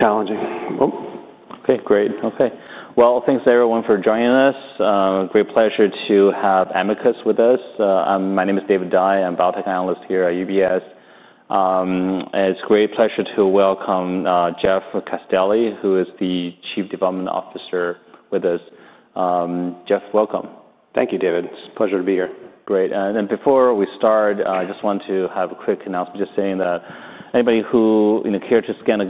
Challenging. Okay, great. Okay, thanks everyone for joining us. Great pleasure to have Amicus with us. My name is David Dye. I'm a Biotech Analyst here at UBS. It's great pleasure to welcome Jeff Castelli, who is the Chief Development Officer with us. Jeff, welcome. Thank you, David. It's a pleasure to be here. Great. Before we start, I just want to have a quick announcement just saying that anybody who cares to scan a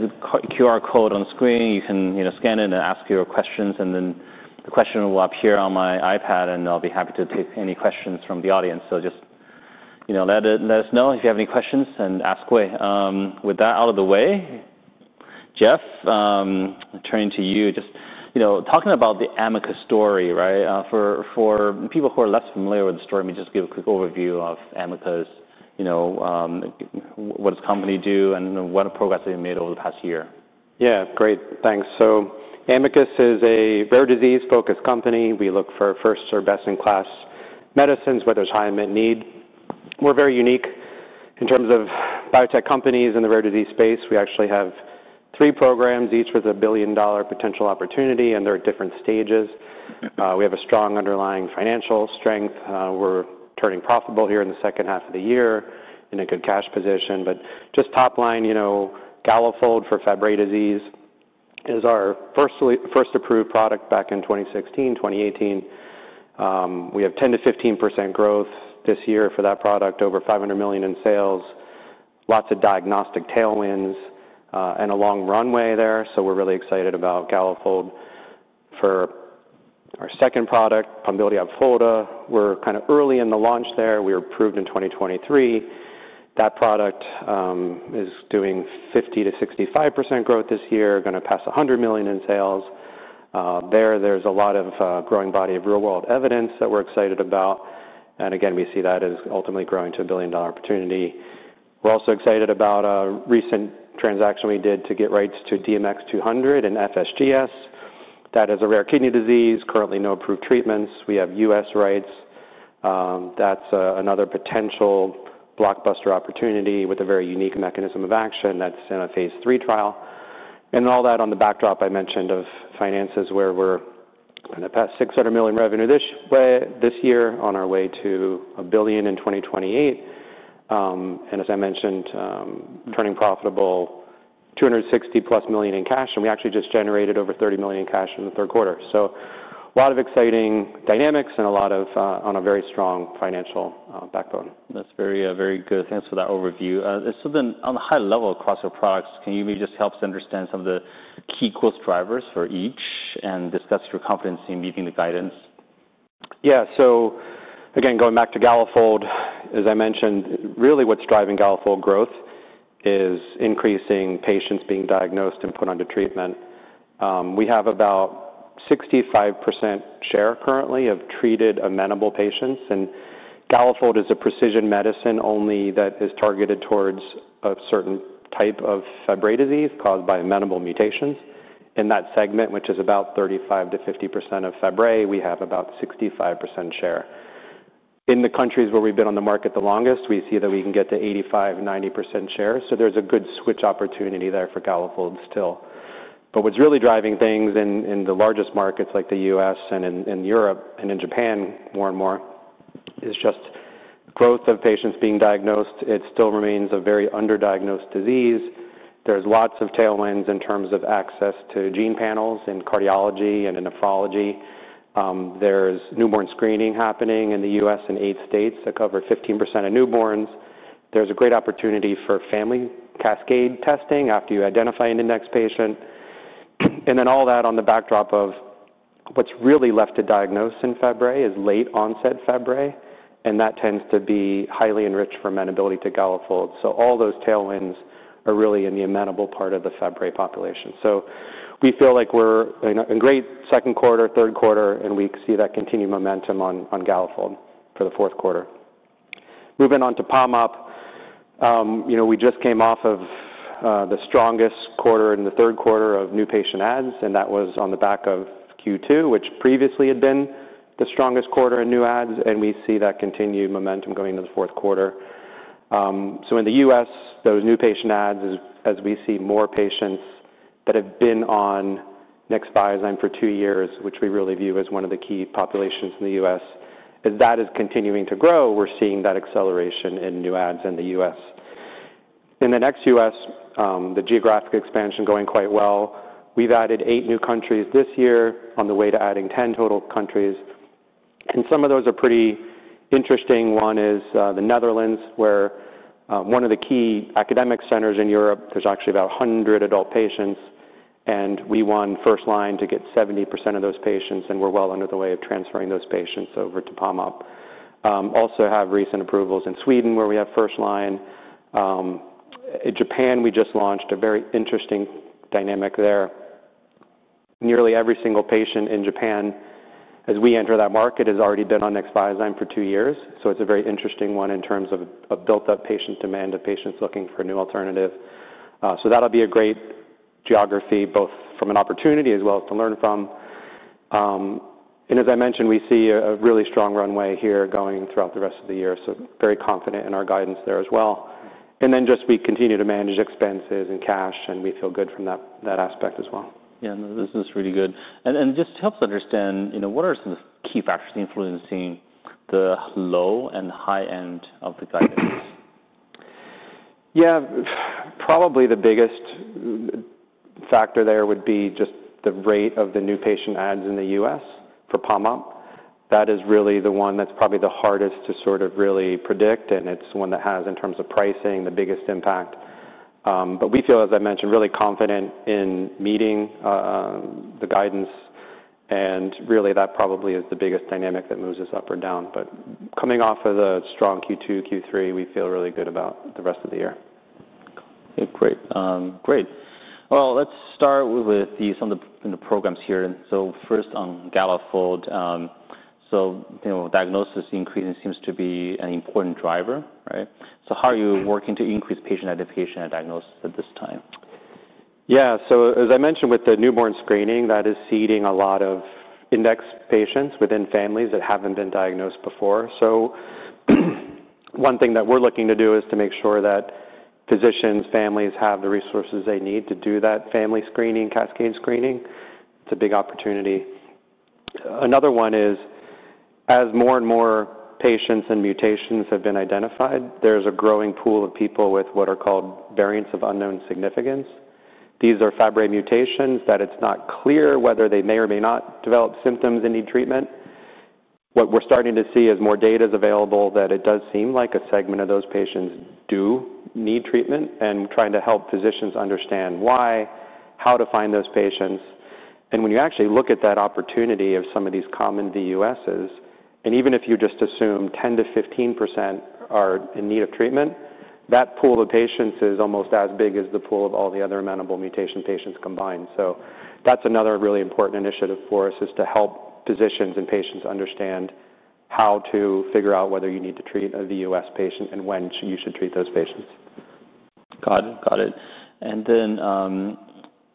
QR code on screen, you can scan it, ask your questions and then the question will appear on my iPad and I'll be happy to take any questions from the audience. Just let us know if you have any questions and ask away. With that out of the way, Jeff, turning to you, just talking about the Amicus story. Right. For people who are less familiar with the story, let me just give a quick overview of Amicus. What does the company do and what progress they've made over the past year. Yeah, great, thanks. Amicus is a rare disease focused company. We look for first or best in class medicines, whether it's high and mid need. We're very unique in terms of biotech companies in the rare disease space. We actually have three programs each with a billion-dollar potential opportunity and they're at different stages. We have a strong underlying financial strength. We're turning profitable here in the second half of the year in a good cash position, but just top line, you know, Galafold for Fabry disease is our first approved product back in 2016, 2018. We have 10%-15% growth this year for that product. Over $500 million in sales. Lots of diagnostic tailwinds and a long runway there. We're really excited about Galafold. For our second product, Pombiliti Opfolda, we're kind of early in the launch there. We were approved in 2023. That product is doing 50%-65% growth this year. Going to pass $100 million in sales there. There's a lot of growing body of real world evidence that we're excited about. Again, we see that as ultimately growing to a billion dollar opportunity. We're also excited about a recent transaction we did to get rights to DMX-200 and FSGS. That is a rare kidney disease. Currently no approved treatments. We have U.S. rights. That's another potential blockbuster opportunity with a very unique mechanism of action that's in a phase III trial. All that on the backdrop I mentioned of finances where we're in the past $600 million revenue this year on our way to a billion in 2028. As I mentioned, turning profitable, $260+ million in cash, and we actually just generated over $30 million in cash in the third quarter. A lot of exciting dynamics and a lot of on a very strong financial backbone. That's very, very good. Thanks for that overview. On a high level across your products, can you maybe just help us understand some of the key drivers for each and discuss your competency in meeting the guidance? Yeah. So again, going back to Galafold, as I mentioned, really what's driving Galafold growth is increasing patients being diagnosed and put under treatment. We have about 65% share currently of treated amenable patients and Galafold is a precision medicine only that is targeted towards a certain type of Fabry disease caused by amenable mutations. In that segment, which is about 35%-50% of Fabry, we have about 65% share. In the countries where we've been on the market the longest, we see that we can get to 85%, 90% share. There is a good switch opportunity there for Galafold still. What is really driving things in the largest markets like the U.S. and in Europe and in Japan, more and more is just growth of patients being diagnosed. It still remains a very under diagnosed disease. There's lots of tailwinds in terms of access to gene panels in cardiology and in nephrology. There's newborn screening happening in the U.S. in eight states that cover 15% of newborns. There's a great opportunity for family cascade testing after you identify an index patient. All that on the backdrop of what's really left to diagnose in Fabry is late-onset Fabry, and that tends to be highly enriched for amenability to Galafold. All those tailwinds are really in the amenable part of the Fabry population. We feel like we're a great second quarter, third quarter. We see that continued momentum on Galafold for the fourth quarter. Moving on to Palm Up. You know, we just came off of the strongest quarter in the third quarter of new patient ads, and that was on the back of Q2, which previously had been the strongest quarter in new ads. We see that continued momentum going into the fourth quarter. In the U.S., those new patient ads, as we see more patients that have been on Nexviazyme for two years, which we really view as one of the key populations in the U.S. as that is continuing to grow, we're seeing that acceleration in new ads in the U.S. In the next U.S., the geographic expansion is going quite well. We've added eight new countries this year on the way to adding 10 total countries. Some of those are pretty interesting. One is the Netherlands, where one of the key academic centers in Europe. There's actually about 100 adult patients and we won first line to get 70% of those patients. We're well under the way of transferring those patients over to Palm Up. Also have recent approvals in Sweden where we have first line. In Japan, we just launched, a very interesting dynamic there. Nearly every single patient in Japan as we enter that market has already been on Nexviazyme for two years. It is a very interesting one in terms of a built up patient demand of patients looking for a new alternative. That will be a great geography, both from an opportunity as well as to learn from. As I mentioned, we see a really strong runway here going throughout the rest of the year. Very confident in our guidance there as well. We continue to manage expenses and cash and we feel good from that aspect as well. Yeah, this is really good. Just help us understand, you know, what are some key factors influencing the low and high end of the guidance. Yeah, probably the biggest factor there would be just the rate of the new patient ads in the U.S. for Palm Up. That is really the one that's probably the hardest to sort of really predict. It is one that has, in terms of pricing, the biggest impact. We feel, as I mentioned, really confident in meeting the guidance and really that probably is the biggest dynamic that moves us up or down. Coming off of the strong Q2, Q3, we feel really good about the rest of the year. Great, great. Let's start with some of the programs here. First on Galafold. Diagnosis increasing seems to be an important driver. How are you working to increase patient identification and diagnosis at this time? Yeah, as I mentioned, with the newborn screening that is seeding a lot of index patients within families that haven't been diagnosed before. One thing that we're looking to do is to make sure that physicians, families have the resources they need to do that. Family screening, cascade screening, it's a big opportunity. Another one is as more and more patients and mutations have been identified, there's a growing pool of people with what are called variants of unknown significance. These are Fabry mutations that it's not clear whether they may or may not develop symptoms and need treatment. What we're starting to see is more data is available that it does seem like a segment of those patients do need treatment. Trying to help physicians understand why, how to find those patients. When you actually look at that opportunity of some of these common VUS, and even if you just assume 10%-15% are in need of treatment, that pool of patients is almost as big as the pool of all the other amenable mutation patients combined. That is another really important initiative for us, is to help physicians and patients understand how to figure out whether you need to treat a VUS patient and when you should treat those patients. Got it, got it.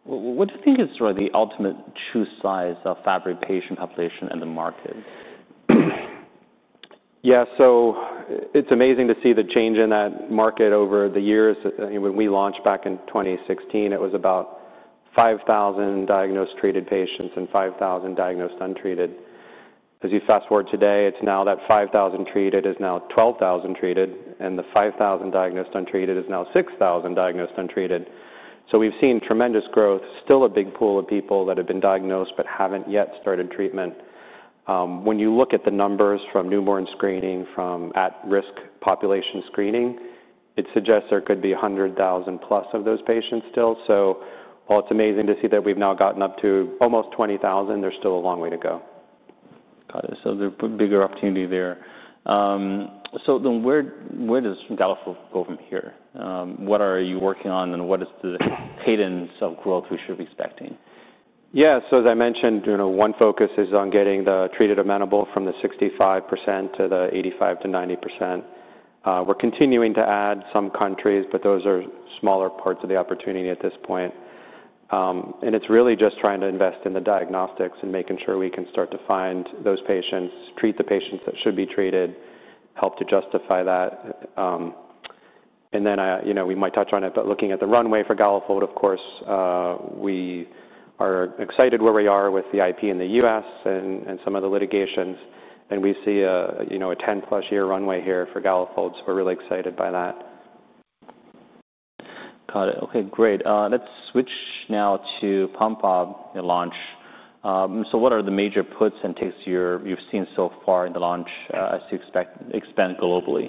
What do you think is the ultimate true size of Fabry patient population in the market? Yeah, so it's amazing to see the change in that market over the years. When we launched back in 2016, it was about 5,000 diagnosed treated patients and 5,000 diagnosed untreated. As you fast forward today, it's now that 5,000 treated is now 12,000 treated, and the 5,000 diagnosed untreated is now 6,000 diagnosed untreated. So we've seen tremendous growth. Still a big pool of people that have been diagnosed but haven't yet started treatment. When you look at the numbers from newborn screening, from at risk population screening, it suggests there could be 100,000+ of those patients still. So while it's amazing to see that we've now gotten up to almost 20,000, there's still a long way to go. Got it. There's bigger opportunity there. Where does Galafold go from here? What are you working on and what is the cadence of growth we should be expecting? Yeah, so as I mentioned, you know, one focus is on getting the treated amenable from the 65% to the 85%-90%. We're continuing to add some countries, but those are smaller parts of the opportunity at this point. It's really just trying to invest in the diagnostics and making sure we can start to find those patients, treat the patients that should be treated, help to justify that and then, you know, we might touch on it. Looking at the runway for Galafold, of course we are excited where we are with the IP in the U.S. and some of the litigations. We see, you know, a 10+ year runway here for Galafold. We're really excited by that. Got it. Okay, great. Let's switch now to Pompe launch. What are the major puts and takes you've seen so far in the launch as you expand globally?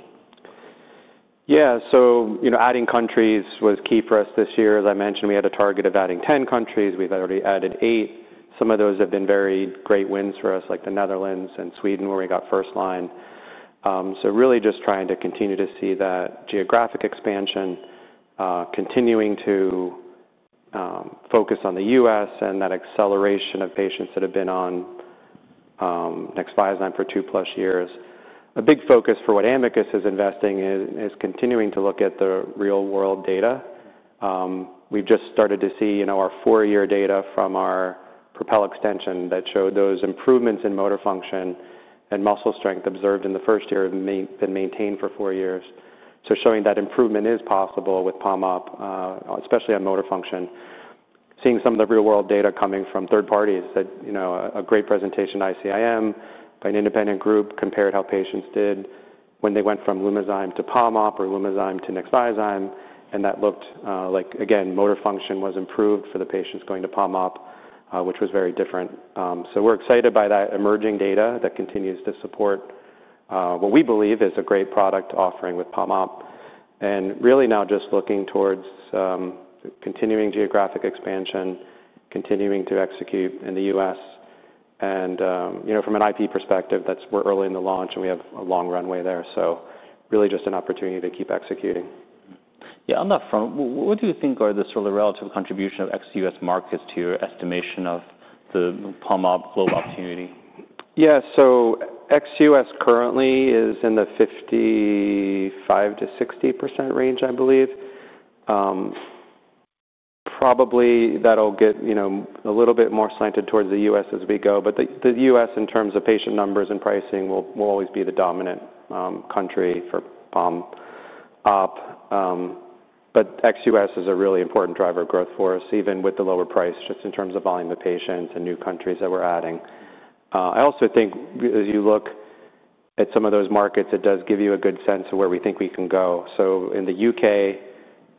Yeah. So, you know, adding countries was key for us this year. As I mentioned, we had a target of adding 10 countries. We've already added eight. Some of those have been very great wins for us like the Netherlands and Sweden where we got first line. Really just trying to continue to see that geographic expansion, continuing to focus on the U.S. and that acceleration of patients that have been on Nexviazyme for 2+ years. A big focus for what Amicus is investing in is continuing to look at the real world data. We've just started to see, you know, our four-year data from our PROPEL extension that showed those improvements in motor function and muscle strength observed in the first year, been maintained for four years. Showing that improvement is possible with Palm Up, especially on motor function. Seeing some of the real world data coming from third parties. A great presentation. ICIM by an Independent Group compared how patients did when they went from Lumazyme to Palm Up or Lumazyme to Nexviazyme and that looked like again motor function was improved for the patients going to Palm Up which was very different. We are excited by that emerging data that continues to support what we believe is a great product offering with Palm Up. Really now just looking towards continuing geographic expansion, continuing to execute in the U.S. and you know, from an IP perspective that is we are early in the launch and we have a long runway there, so really just an opportunity to keep executing. Yeah. On that front, what do you think are the sort of relative contribution of ex-U.S. markets to your estimation of the Palm Up global opportunity? Yeah, so ex-U.S. currently is in the 55-60% range. I believe probably that'll get, you know, a little bit more slanted towards the U.S. as we go. But the U.S. in terms of patient numbers and pricing will always be the dominant country for Palm Up. Ex-U.S. is a really important driver of growth for us, even with the lower price just in terms of volume of patients and new countries that we're adding. I also think as you look at some of those markets, it does give you a good sense of where we think we can go. In the U.K.,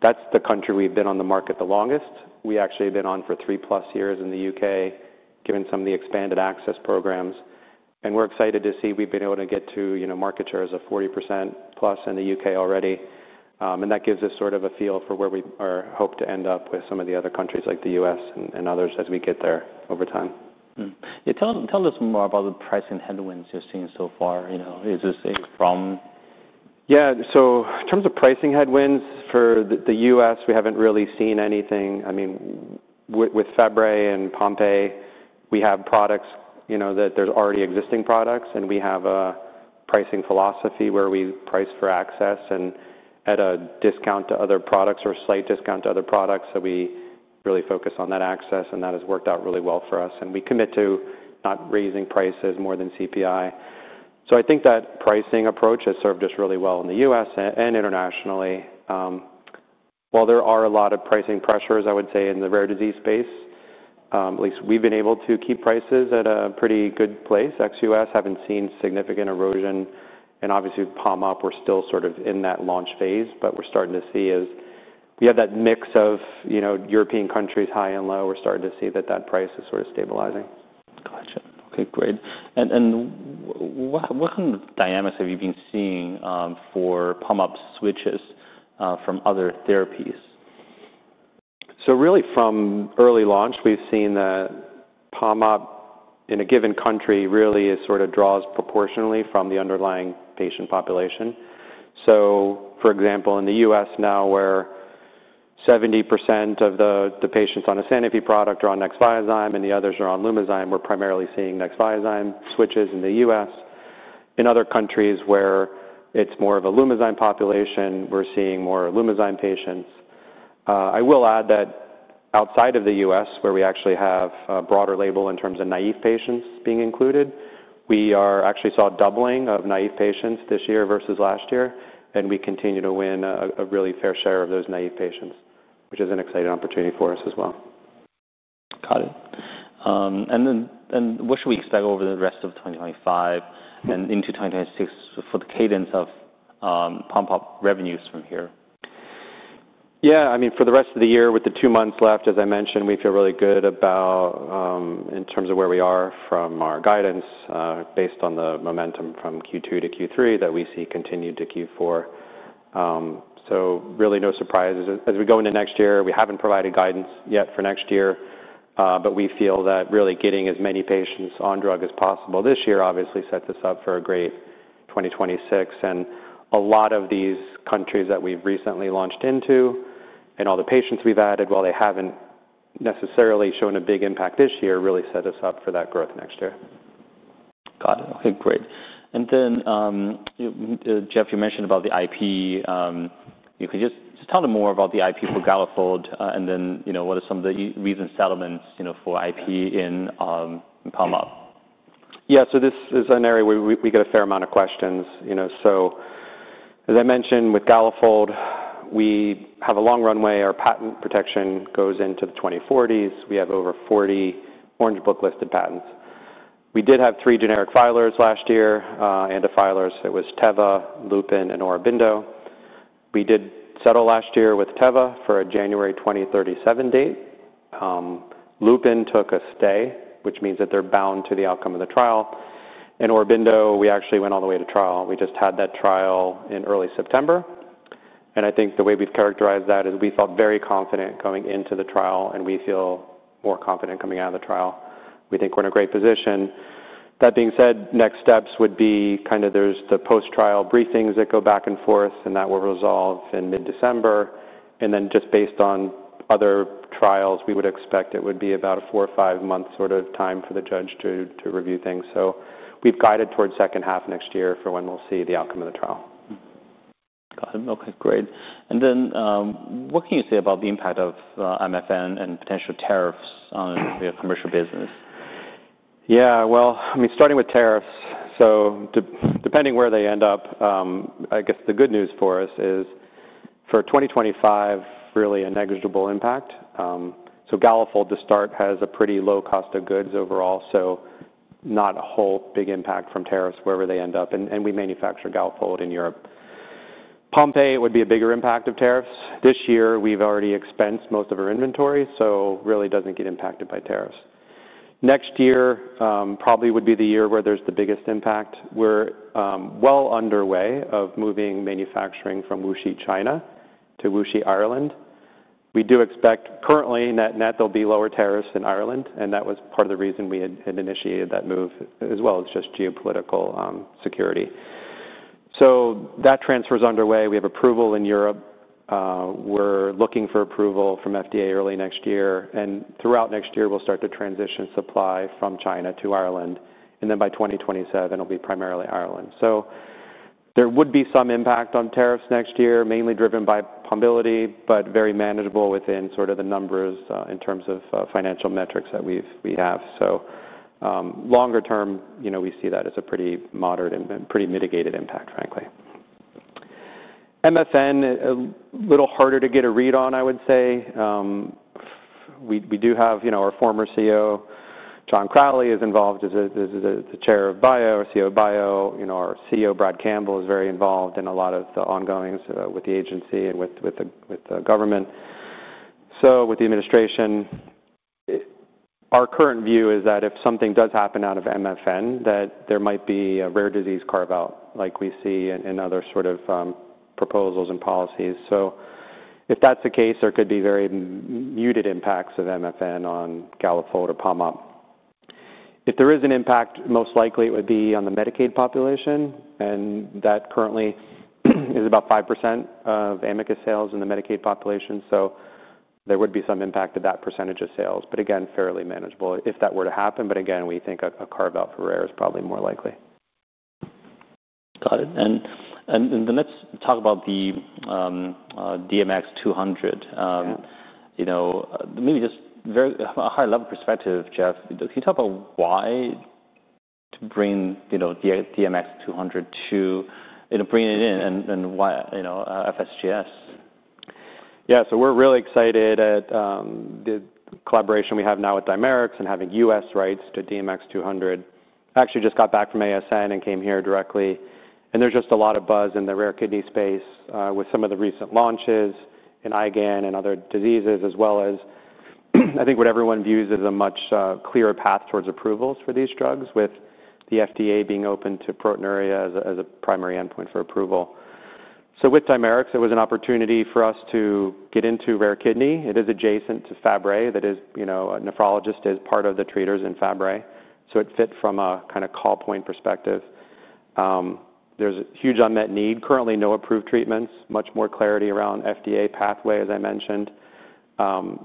that's the country we've been on the market the longest. We actually have been on for 3+ years in the U.K. given some of the expanded access programs. We're excited to see we've been able to get to market shares of 40%+ in the U.K. already and that gives us sort of a feel for where we hope to end up with some of the other countries like the U.S. and others as we get there over time. Tell us more about the pricing headwinds you're seeing so far. You know, is this a problem? Yeah. So in terms of pricing headwinds for the U.S. we haven't really seen anything. I mean with Fabry and Pompe, we have products, you know, that there's already existing products and we have a pricing philosophy where we price for access and at a discount to other products or slight discount to other products that we really focus on that access. That has worked out really well for us and we commit to not raising prices more than CPI. I think that pricing approach has served us really well in the U.S. and internationally. While there are a lot of pricing pressures, I would say in the rare disease space at least we've been able to keep prices at a pretty good place. Ex-U.S. haven't seen significant erosion and obviously Palm Up, we're still sort of in that launch phase, but we're starting to see as you have that mix of European countries, high and low, we're starting to see that that price is sort of stabilizing. Gotcha. Okay, great. What kind of dynamics have you been seeing for Palm Up switches from other therapies? Really from early launch we've seen that Palm Up in a given country really sort of draws proportionally from the underlying patient population. For example, in the U.S. now where 70% of the patients on the Sanofi product are on Nexviazyme and the others are on Lumazyme, we're primarily seeing Nexviazyme switches in the U.S. In other countries where it's more of a Lumazyme population, we're seeing more Lumazyme patients. I will add that outside of the U.S. where we actually have a broader label in terms of naive patients being included, we actually saw doubling of naive patients this year versus last year and we continue to win a really fair share of those naive patients, which is an exciting opportunity for us as well. Got it. What should we expect over the rest of 2025 and into 2026 for the cadence of Palm Up revenues from here? Yeah, I mean for the rest of the year with the two months left, as I mentioned, we feel really good about in terms of where we are from our guidance based on the momentum from Q2 to Q3 that we see continued to Q4. Really no surprises as we go into next year. We have not provided guidance yet for next year, but we feel that really getting as many patients on drug as possible this year obviously sets us up for a great 2026 and a lot of these countries that we have recently launched into and all the patients we have added, while they have not necessarily shown a big impact this year, really set us up for that growth next year. Got it. Okay, great. Jeff, you mentioned about the IP. You could just tell them more about the IP for Galafold and then you know what are some of the recent settlements, you know for IP in Palm Up. Yeah. This is an area where we get a fair amount of questions, you know. As I mentioned with Galafold, we have a long runway. Our patent protection goes into the 2040s. We have over 40 Orange Book-listed patents. We did have three generic filers last year and the filers were Teva, Lupin, and Aurobindo. We did settle last year with Teva for a January 2037 date. Lupin took a stay, which means that they're bound to the outcome of the trial. In Aurobindo, we actually went all the way to trial. We just had that trial in early September. I think the way we've characterized that is we felt very confident going into the trial and we feel more confident coming out of the trial. We think we're in a great position. That being said, next steps would be kind of there's the post trial briefings that go back and forth and that will resolve in December. Then just based on other trials we would expect it would be about a four or five month sort of time for the judge to review things. We've guided towards second half next year for when we'll see the outcome of the trial. Got it. Okay, great. What can you say about the impact of MFN and potential tariffs on the commercial business? Yeah, I mean starting with tariffs. Depending where they end up, I guess the good news for us is for 2025 really a negligible impact. Galafold to start has a pretty low cost of goods overall. Not a whole big impact from tariffs wherever they end up. We manufacture Galafold in Europe. Pompe would be a bigger impact of tariffs this year. We've already expensed most of our inventory so really does not get impacted by tariffs. Next year probably would be the year where there's the biggest impact. We're well underway of moving manufacturing from Wuxi China to Wuxi Ireland. We do expect currently net net there will be lower tariffs in Ireland and that was part of the reason we had initiated that move as well as just geopolitical security. That transfer is underway. We have approval in Europe. We're looking for approval from FDA early next year. Throughout next year we'll start to transition supply from China to Ireland, and then by 2027 it will be primarily Ireland. There would be some impact on tariffs next year, mainly driven by probability, but very manageable within the numbers in terms of financial metrics that we have. Longer term we see that as a pretty moderate and pretty mitigated impact, frankly. MSN, little harder to get a read on, I would say. We do have our former CEO John Crowley involved as the chair of BIO. CEO of BIO. Our CEO Brad Campbell is very involved in a lot of the ongoings with the agency and with the government, with the administration. Our current view is that if something does happen out of MFN that there might be a rare disease carve out like we see in other sort of proposals and policies. If that's the case, there could be very muted impacts of MFN on Galafold or Palm Up. If there is an impact, most likely it would be on the Medicaid population and that currently is about 5% of Amicus sales in the Medicaid population. There would be some impact of that percentage of sales but again fairly manageable if that were to happen. Again we think a carve out for rare is probably more likely. Got it. Let's talk about the DMX-200, maybe just a high level perspective. Jeff, can you talk about why to bring DMX-200 to bring it in and FSGS? Yeah. So we're really excited at the collaboration we have now with Dimerix and having U.S. rights to DMX-200. Actually just got back from ASN and came here directly and there's just a lot of buzz in the rare kidney space with some of the recent launches in IgAN and other diseases as well as I think what everyone views as a much clearer path towards approvals for these drugs with the FDA being open to proteinuria as a primary endpoint for approval. With Dimerix it was an opportunity for us to get into rare kidney. It is adjacent to Fabry, that is, you know, a nephrologist is part of the treaters in Fabry. It fit from a kind of call point perspective. There's a huge unmet need, currently no approved treatments, much more clarity around FDA pathway. As I mentioned,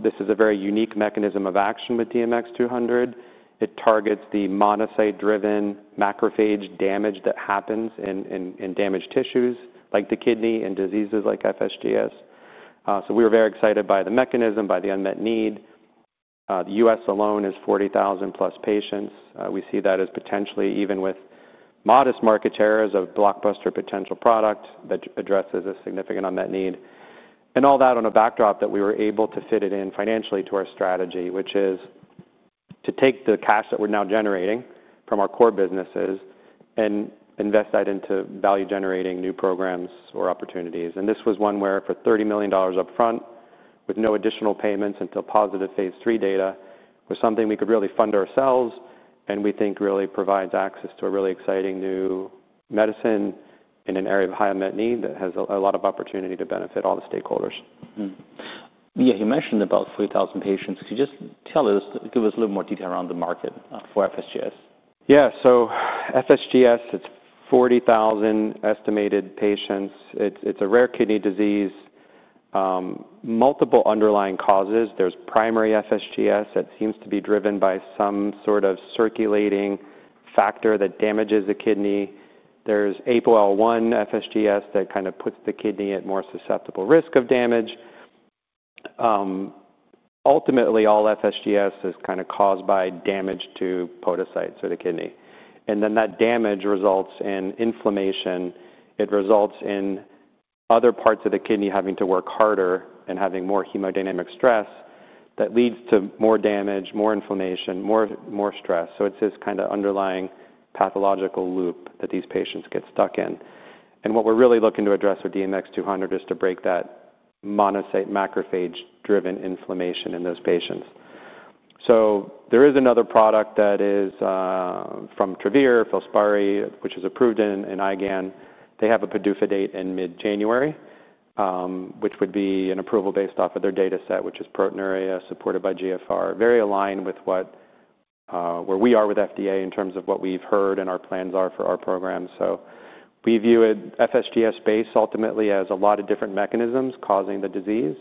this is a very unique mechanism of action with DMX-200. It targets the monocyte-driven macrophage damage that happens in damaged tissues like the kidney and diseases like FSGS. We were very excited by the mechanism, by the unmet need. The U.S. alone is 40,000+ patients. We see that as potentially, even with modest market shares, a blockbuster potential product that addresses a significant unmet need. All that on a backdrop that we were able to fit it in financially to our strategy, which is to take the cash that we're now generating from our core businesses and invest that into value-generating new programs or opportunities. This was one where for $30 million up front, with no additional payments until positive phase III data, it was something we could really fund ourselves and we think really provides access to a really exciting new medicine in an area of high unmet need that has a lot of opportunity to benefit all the stakeholders. Yeah, you mentioned about 3,000 patients. Could you just tell us, give us a little more detail around the market for FSGS? Yeah. FSGS, it's 40,000 estimated patients. It's a rare kidney disease, multiple underlying causes. There's primary FSGS that seems to be driven by some sort of circulating factor that damages the kidney. There's APOL1 FSGS that kind of puts the kidney at more susceptible risk of damage. Ultimately all FSGS is kind of caused by damage to podocytes or the kidney. That damage results in inflammation. It results in other parts of the kidney having to work harder and having more hemodynamic stress that leads to more damage, more inflammation, more stress. It's this kind of underlying pathological loop that these patients get stuck in. What we're really looking to address with DMX-200 is to break that monocyte macrophage driven inflammation in those patients. There is another product that is from Travere, Filspari, which is approved in IgAN. They have a PDUFA date in mid January, which would be an approval based off of their data set, which is proteinuria supported by GFR. Very aligned with where we are with FDA in terms of what we've heard and our plans are for our program. We view it FSGS based ultimately as a lot of different mechanisms causing the disease.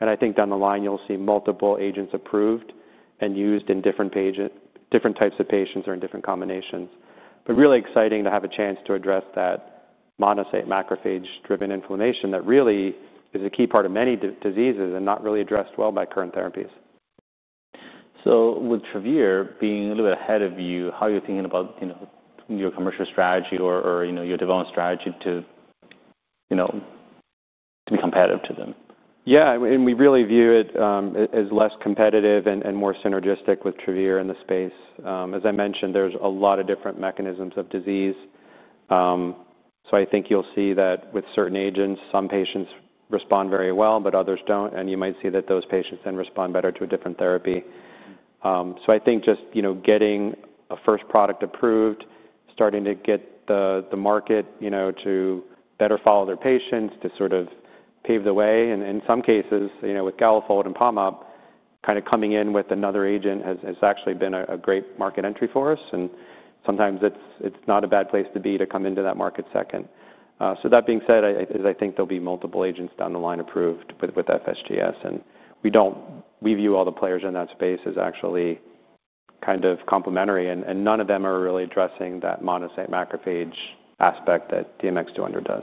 I think down the line you'll see multiple agents approved and used in different types of patients or in different combinations. Really exciting to have a chance to address that monocyte macrophage driven inflammation that really is a key part of many diseases and not really addressed well by current therapies. With Travere being a little ahead of you, how are you thinking about your commercial strategy or your development strategy to be competitive to them? Yeah, and we really view it as less competitive and more synergistic with Travere in the space. As I mentioned, there's a lot of different mechanisms of disease. I think you'll see that with certain agents, some patients respond very well, but others don't. You might see that those patients then respond better to a different therapy. I think just, you know, getting a first product approved, starting to get the market, you know, to better follow their patients, to sort of pave the way. In some cases, you know, with Galafold and Palm Up, kind of coming in with another agent has actually been a great market entry for us, and sometimes it's not a bad place to be to come into that market second. That being said, I think there'll be multiple agents down the line approved with FSGS, and we don't. We view all the players in that space as actually kind of complementary, and none of them are really addressing that monocyte macrophage aspect that DMX-200 does.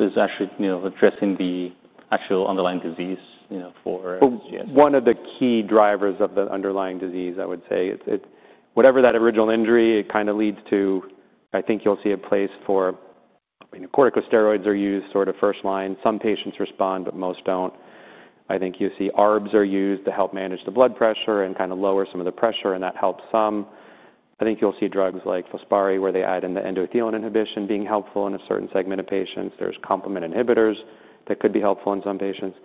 It's actually addressing the actual underlying disease. You know, for.. One of the key drivers of the underlying disease. I would say it's, it, whatever that original injury, it kind of leads to. I think you'll see a place for corticosteroids are used sort of first line. Some patients respond, but most don't. I think you see ARBs are used to help manage the blood pressure and kind of lower some of the pressure, and that helps some. I think you'll see drugs like Filspari, where they add in the endothelial inhibition, being helpful in a certain segment of patients. are complement inhibitors that could be helpful in some patients,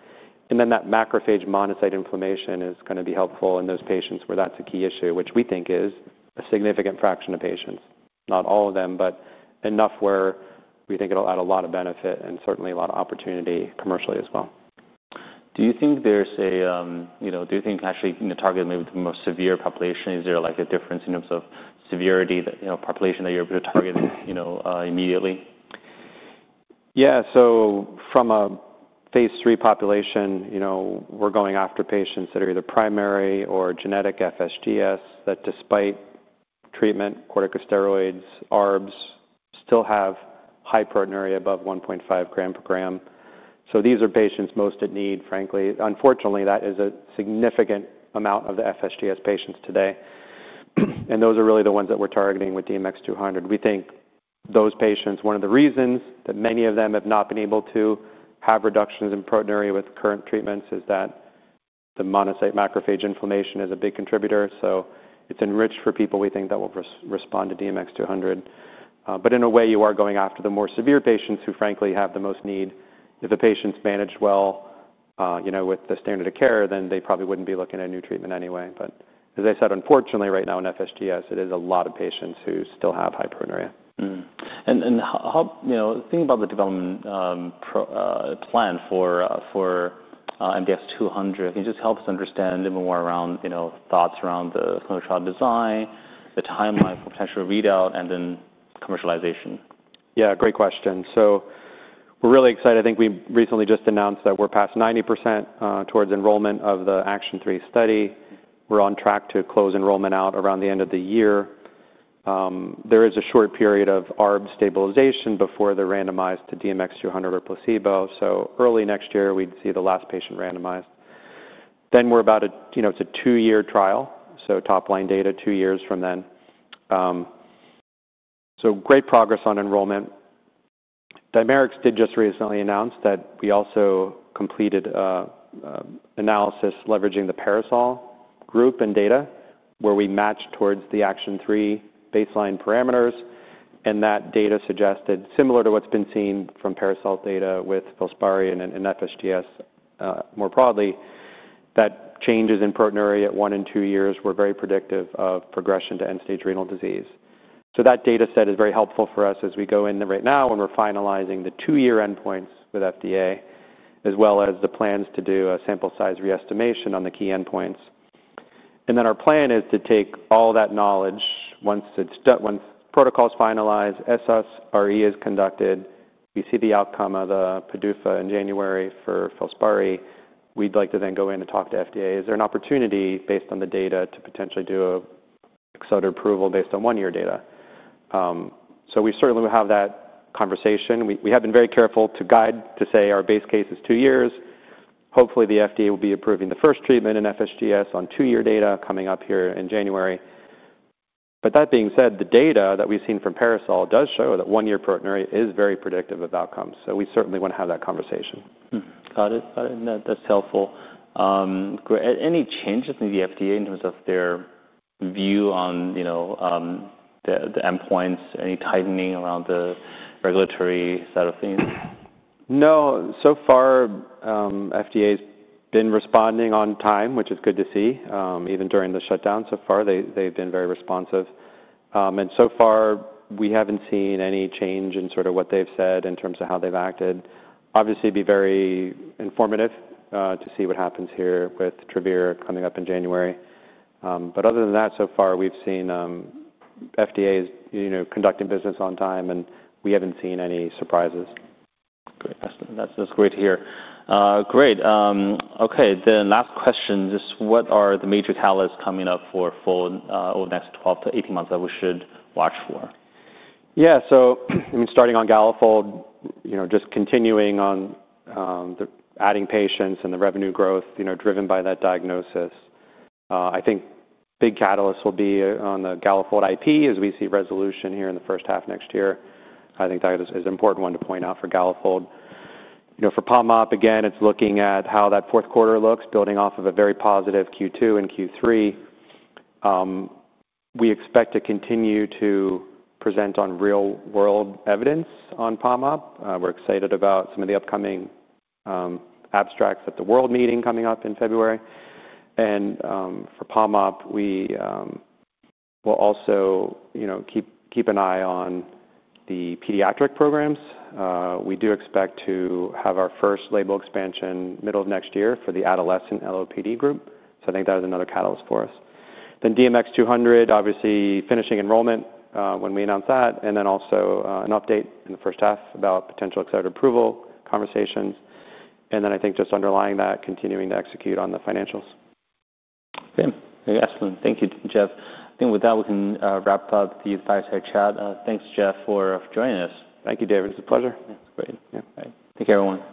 and then that macrophage monocyte inflammation is going to be helpful in those patients where that's a key issue, which we think is a significant fraction of patients, not all of them, but enough where we think it'll add a lot of benefit and certainly a lot of opportunity commercially as well. Do you think there's a, you know, do you think actually in the target, maybe the most severe population, is there like a difference in terms of severity, you know, population that you're able to target immediately? Yeah. From a phase III population, you know, we're going after patients that are either primary or genetic FSGS that, despite treatment with corticosteroids, ARBs, still have high proteinuria above 1.5 gram per gram. These are patients most at need, frankly. Unfortunately, that is a significant amount of the FSGS patients today. Those are really the ones that we're targeting with DMX-200. We think those patients, one of the reasons that many of them have not been able to have reductions in proteinuria with current treatments is that the monocyte macrophage inflammation is a big contributor. It is enriched for people we think will respond to DMX-200. In a way, you are going after the more severe patients who, frankly, have the most need. If the patient's managed well, you know, with the standard of care, then they probably wouldn't be looking at a new treatment anyway. As I said, unfortunately right now in FSGS it is a lot of patients who still have proteinuria. Think about the development plan for DMX-200. Can you just help us understand more around thoughts around the clinical trial design, the timeline for potential readout and then commercialization? Yeah, great question. So we're really excited. I think we recently just announced that we're past 90% towards enrollment of the Action 3 study. We're on track to close enrollment out around the end of the year. There is a short period of ARB stabilization before they're randomized to DMX-200 or placebo. Early next year we'd see the last patient randomized. It's a two year trial, so top line data two years from then. Great progress on enrollment. Dimerix did just recently announce that we also completed analysis leveraging the Parasol group and data where we match towards the Action 3 baseline parameters. That data suggested, similar to what's been seen from Parasol data with Filspari and FSGS more broadly, that changes in proteinuria at 1 and 2 years were very predictive of progression to end stage renal disease. That data set is very helpful for us as we go in right now and we're finalizing the two year endpoints with FDA as well as the plans to do a sample size re-estimation on the key endpoints. Our plan is to take all that knowledge once it's done, once protocol's finalized, SSRE is conducted. We see the outcome of the PDUFA in January for Filspari. We'd like to then go in and talk to FDA. Is there an opportunity based on the data to potentially do a SODA approval based on one year data? We certainly have that conversation. We have been very careful to guide to say our base case is two years. Hopefully the FDA will be approving the first treatment in FSGS on two year data coming up here in January. That being said, the data that we've seen from Parasol does show that one year proteinuria is very predictive of outcomes. So we certainly want to have that conversation. Got it. That's helpful. Any changes in the FDA in terms of their view on the endpoints? Any tightening around the regulatory side of things? No. So far FDA's been responding on time, which is good to see. Even during the shutdown. So far they've been very responsive and so far we haven't seen any change in sort of what they've said in terms of how they've acted. Obviously it would be very informative to see what happens here with Travere coming up in January. Other than that, so far we've seen FDA is conducting business on time and we haven't seen any surprises. That's great to hear. Great. Okay then, last question. Just what are the major catalysts coming up for over the next 12 to 18 months that we should watch for? Yeah, so I mean, starting on Galafold, you know, just continuing on the adding patients and the revenue growth, you know, driven by that diagnosis. I think big catalysts will be on the Galafold IP as we see resolution here in the first half next year. I think that is an important one to point out for Galafold, you know, for Palm Up, again, it's looking at how that fourth quarter looks, building off of a very positive Q2 and Q3. We expectto continue to present on real world evidence on Palm Up. We're excited about some of the upcoming abstracts at the world meeting coming up in February. For Palm Up, we will also, you know, keep an eye on the pediatric programs. We do expect to have our first label expansion middle of next year for the adolescent LOPD group. I think that is another catalyst for us then DMX-200 obviously finishing enrollment when we announce that. Then also an update in the first half about potential accelerator approval conversations and then I think just underlying that continuing to execute on the financials. Excellent. Thank you, Jeff. I think with that we can wrap up the fireside chat. Thanks, Jeff, for joining us. Thank you, David. It's a pleasure. Take care everyone.